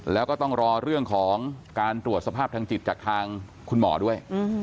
แล้วก็ต้องรอเรื่องของการตรวจสภาพทางจิตจากทางคุณหมอด้วย